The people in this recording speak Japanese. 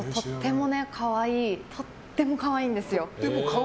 とっても可愛いんですよ。